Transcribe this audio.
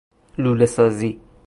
لوله سازی